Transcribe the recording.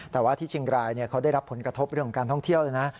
แต่ว่าที่เชียงรายเขาได้รับผลกระทบเรื่องของการท่องเที่ยวเลยนะ